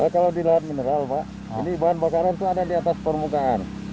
kalau di laut mineral pak ini bahan bakaran itu ada di atas permukaan